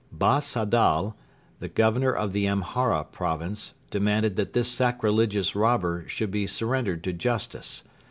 Bas Adal, the Governor of the Amhara province, demanded that this sacrilegious robber should be surrendered to justice.